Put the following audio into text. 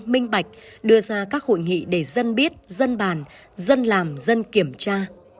minh bạch đưa ra các hội nghị để dân biết dân bàn dân làm dân kiểm tra